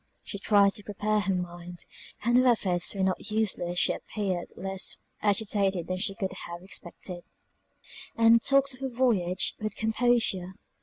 She tried to prepare her mind, and her efforts were not useless she appeared less agitated than could have been expected, and talked of her voyage with composure.